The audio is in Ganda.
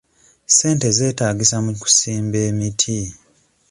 Ssente zeetaagisa mu kusimba emiti.